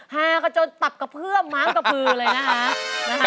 หากระโจนตับกระเพื้อมม้ามกระเพือเลยนะครับ